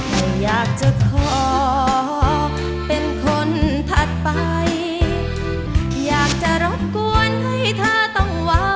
นี่นะสองจุดด้วยกัน